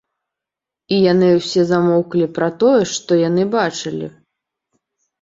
І яны ўсе замоўклі пра тое, што яны бачылі.